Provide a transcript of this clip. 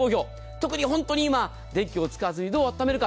特に本当に今、電気を使わずにどう暖めるか。